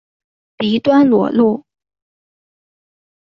鼻端裸露。